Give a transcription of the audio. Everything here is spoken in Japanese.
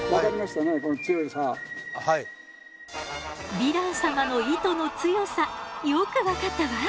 ヴィラン様の糸の強さよく分かったわ。